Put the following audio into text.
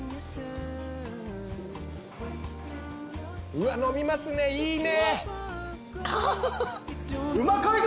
うわっ飲みますねいいね。